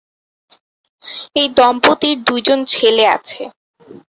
এই দম্পতির দুইজন ছেলে আছে।